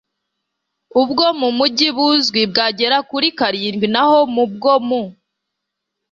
ubwo mu mijyi buzwi bwagera kuri karindwi naho mu bwo mu